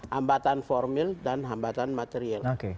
hambatan formil dan hambatan material